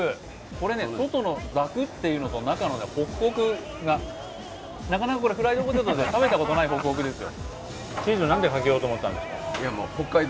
これね、外のザクっていうのと外のホクホクっていうのがなかなかフライドポテトで食べたことないホクホクですよ。